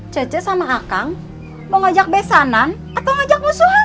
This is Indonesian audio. cece sama akang mau ngajak besanan atau ngajak musuhan